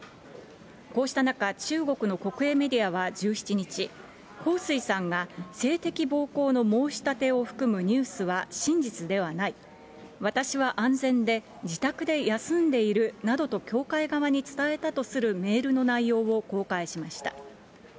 こうした中、中国の国営メディアは１７日、ほうすいさんが性的暴行の申し立てを含むニュースは真実ではない、私は安全で自宅で休んでいるなどと協会側に伝えたとするメールの内容を公開しました。